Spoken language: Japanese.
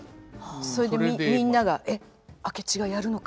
それでみんなが「えっ明智がやるのか？」